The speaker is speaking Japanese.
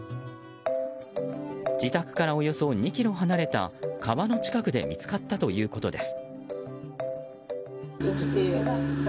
自宅からおよそ２ｋｍ離れた川の近くで見つかったということです。